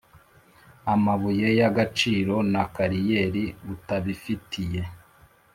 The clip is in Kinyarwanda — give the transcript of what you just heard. amabuye y agaciro na kariyeri utabifitiye